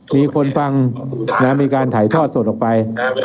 มีคนฟังมีการถ่ายทอดสดออกไป